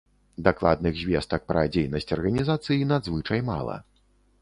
Дакладных звестак пра дзейнасць арганізацыі надзвычай мала.